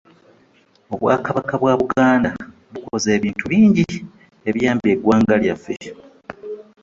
Obwakabaka bwa Buganda bukoze ebintu bingi ebiyambye eggwanga lyaffe.